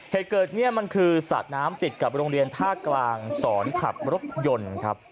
เหตุเกิดเนี่ยมันคือสระน้ำติดกับโรงเรียนท่ากลางสอนขับรถยนต์ครับ